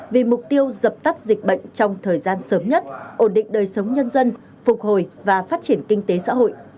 vì mục tiêu dập tắt dịch bệnh trong thời gian sớm nhất ổn định đời sống nhân dân phục hồi và phát triển kinh tế xã hội